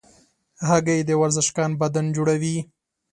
هګۍ د ورزشکار بدن جوړوي.